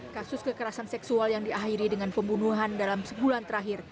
kasus kekerasan seksual yang diakhiri dengan pembunuhan dalam sebulan terakhir